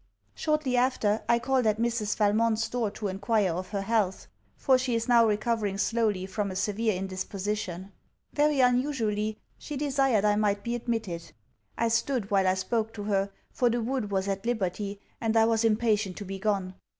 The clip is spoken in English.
Shortly after, I called at Mrs. Valmont's door to inquire of her health, for she is now recovering slowly from a severe indisposition. Very unusually, she desired I might be admitted. I stood while I spoke to her, for the wood was at liberty, and I was impatient to be gone.